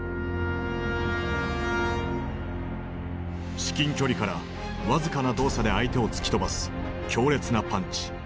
至近距離から僅かな動作で相手を突き飛ばす強烈なパンチ。